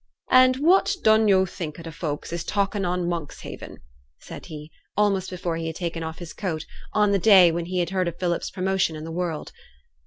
'And what dun yo' think a' t' folks is talkin' on i' Monkshaven?' asked he, almost before he had taken off his coat, on the day when he had heard of Philip's promotion in the world.